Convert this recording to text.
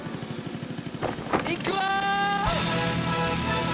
いくわ！